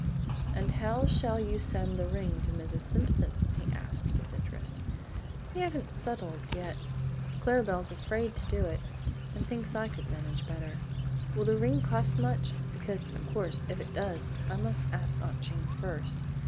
"How shall you send the ring to Mrs. Simpson?" he asked, with interest. "We haven't settled yet; Clara Belle's afraid to do it, and thinks I could manage better. Will the ring cost much? Because, of course, if it does, I must ask Aunt Jane first.